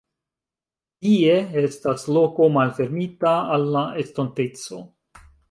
Die estas loko malfermita al la estonteco.